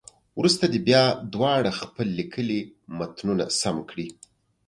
وروسته دې بیا دواړه خپل لیکلي متنونه سم کړي.